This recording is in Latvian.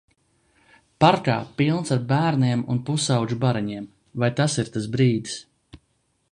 Parkā pilns ar bērniem un pusaudžu bariņiem. Vai tas ir tas brīdis.